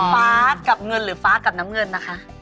ฟ้ากับเงินหรือฟ้ากับน้ำเงินนะคะ